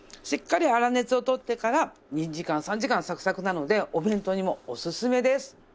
しっかり粗熱を取ってから２時間３時間サクサクなのでお弁当にもおすすめです！